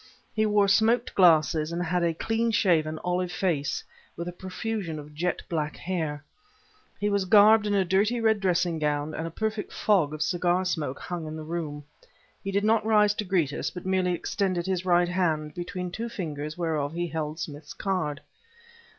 He wore smoked glasses, and had a clean shaven, olive face, with a profusion of jet black hair. He was garbed in a dirty red dressing gown, and a perfect fog of cigar smoke hung in the room. He did not rise to greet us, but merely extended his right hand, between two fingers whereof he held Smith's card.